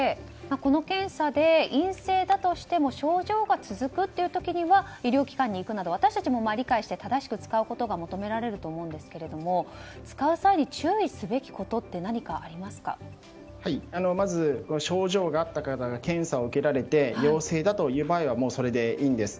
この検査で陰性だとしても症状が続く時には医療機関に行くなど私たちも理解して正しく使うことが求められると思うんですけど使う際に注意すべきことってまず、症状があった方が検査を受けられて陽性だという場合はそれでいいんです。